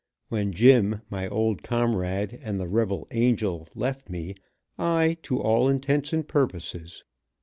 When Jim, my old comrade, and the rebel angel, left me, I to all intents and purposes.